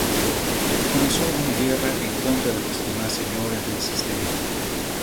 Y comenzó una guerra en contra de los demás Señores del Sistema.